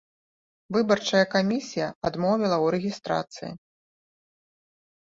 Выбарчая камісія адмовіла ў рэгістрацыі.